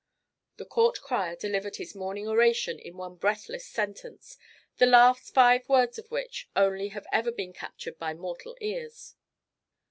The court crier delivered his morning oration in one breathless sentence, the last five words of which only have ever been captured by mortal ears.